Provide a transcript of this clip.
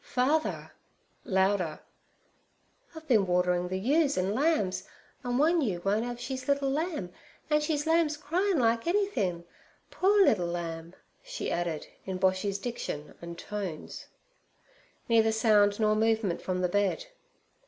'Father' louder, 'I've been waterin' th' ewes an' lambs, an' one ewe won't 'ave she's little lamb, an' she's lamb's cryin' like anything—poor liddle lamb!' she added, in Boshy's diction and tones. Neither sound nor movement from the bed.